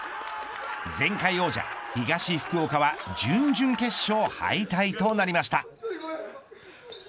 前回王者東福岡は準々決勝敗退となりました。